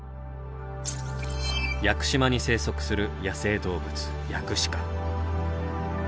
屋久島に生息する野生動物ヤクシカ。